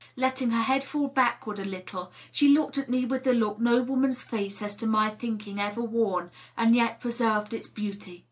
Letting her head fall backward a little, she looked at me with the look no woman's face has to my thinking ever worn and yet preserved its beauty.